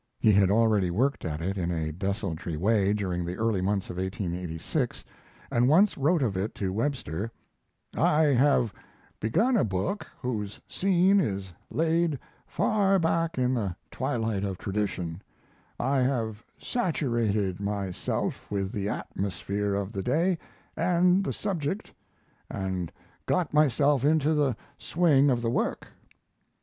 He had already worked at it in a desultory way during the early months of 1886, and once wrote of it to Webster: I have begun a book whose scene is laid far back in the twilight of tradition; I have saturated myself with the atmosphere of the day and the subject and got myself into the swing of the work.